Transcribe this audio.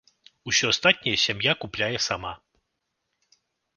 Усё астатняе сям'я купляе сама.